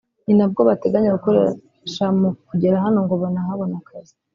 ni nabwo “bateganya gukoresha mu kugera hano ngo banahabone akazi